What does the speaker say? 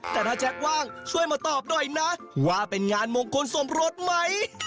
แต่ถ้าแจ๊คว่างช่วยมาตอบหน่อยนะว่าเป็นงานมงคลสมรสไหม